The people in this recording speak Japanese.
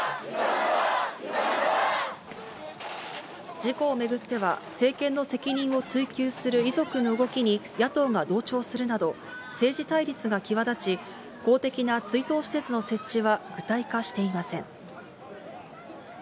事故を巡っては、政権の責任を追及する遺族の動きに野党が同調するなど、政治対立が際立ち、公的な追悼施設の設置は具体化していません。